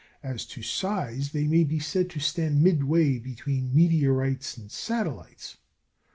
As to size, they may be said to stand midway between meteorites and satellites.